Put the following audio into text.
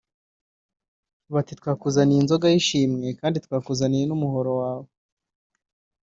Bati “Twakuzaniye inzoga y’ishimwe kandi twakuzaniye n’umuhoro wawe